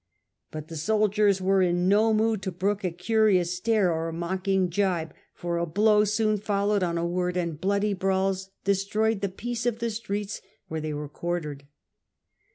But the soldiers were in no mood to brook a curious stare or mocking jibe, for a blow soon followed on a word, and bloody brawls destroyed the peace of the streets where they were quartered.